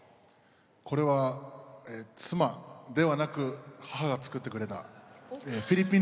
これは妻ではなく母が作ってくれたフィリピン料理です！